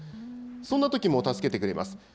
そんなときも助けてくれます。